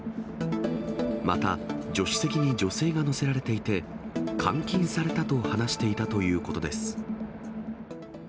また、助手席に女性が乗せられていて、監禁されたと話していたということです。